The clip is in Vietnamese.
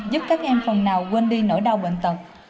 giúp các em phần nào quên đi nỗi đau bệnh tật